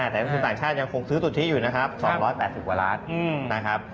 แต่ประชาติยังคงซื้อสุดที่อยู่นะครับ๒๘๐กว่าล้านนะครับ